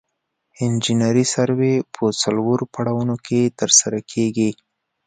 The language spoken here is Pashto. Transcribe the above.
انجنیري سروې په څلورو پړاوونو کې ترسره کیږي